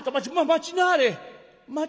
待ちなはれ。